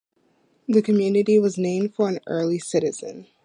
The community was named for an early citizen.